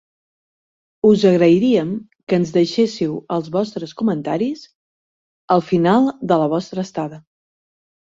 Us agrairíem que ens deixéssiu els vostres comentaris al final de la vostra estada.